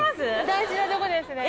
大事なとこですね。